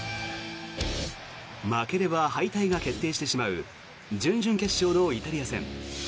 負ければ敗退が決定してしまう準々決勝のイタリア戦。